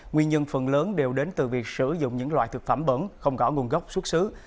nguyên nhân phần lớn đều đến từ việc sử dụng những loại thực phẩm bẩn không gõ nguồn gốc xuất xứ